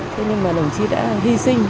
thế nhưng mà đồng chí đã hy sinh